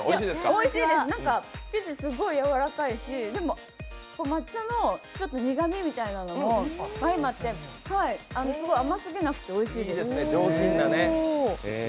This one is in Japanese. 生地すっごいやわらかいし、抹茶の苦味みたいのも相まってすごい甘すぎなくておいしいです。